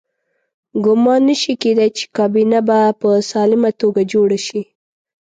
ګمان نه شي کېدای چې کابینه به په سالمه توګه جوړه شي.